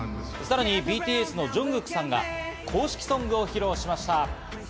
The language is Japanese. さらにＢＴＳのＪＵＮＧＫＯＯＫさんが公式ソングを披露しました。